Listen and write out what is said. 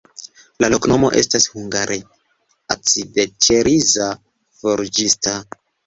La loknomo estas hungare: acidĉeriza-forĝista.